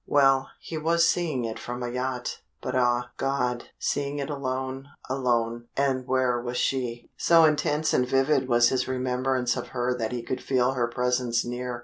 Well, he was seeing it from a yacht, but ah, God! seeing it alone alone. And where was she? So intense and vivid was his remembrance of her that he could feel her presence near.